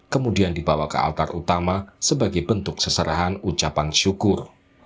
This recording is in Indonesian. kemudian dibawa ke altar utama sebagai bentuk seserahan ucapan syukur